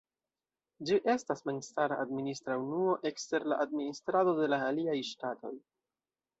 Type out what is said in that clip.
Ĝi estas memstara administra unuo ekster la administrado de la aliaj ŝtatoj.